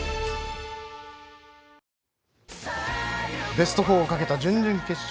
ベスト４をかけた準々決勝